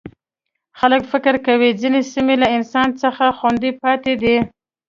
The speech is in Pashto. خلک فکر کوي ځینې سیمې له انسان څخه خوندي پاتې دي.